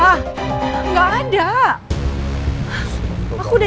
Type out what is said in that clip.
yang ini ada makanan t replay dari t audi ya